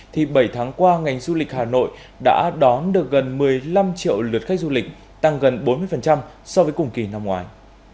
thì bảy tháng qua ngành du lịch hà nội đã đón được gần một mươi năm triệu lượt khách du lịch tăng gần bốn mươi so với cùng kỳ năm ngoài